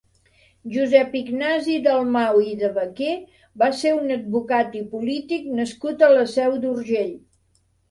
Josep Ignasi Dalmau i de Baquer va ser un advocat i polític nascut a la Seu d'Urgell.